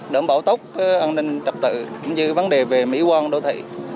đảm bảo tốt an ninh trật tự cũng như vấn đề về mỹ quan đô thị